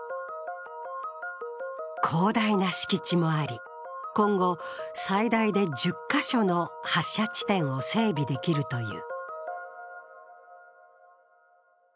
広大な敷地もあり、今後最大で１０か所の発射地点を整備できるという。